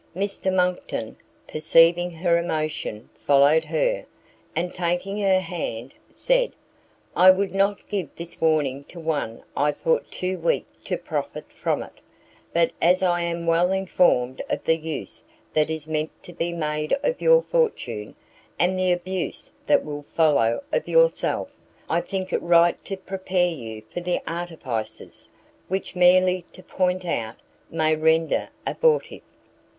Mr Monckton, perceiving her emotion, followed her, and taking her hand, said, "I would not give this warning to one I thought too weak to profit from it; but as I am well informed of the use that is meant to be made of your fortune, and the abuse that will follow of yourself, I think it right to prepare you for their artifices, which merely to point out, may render abortive."